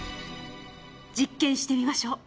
実験してみましょう。